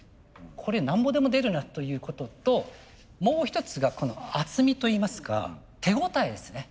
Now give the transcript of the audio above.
これなんぼでも出るなということともう一つがこの厚みといいますか手応えですね。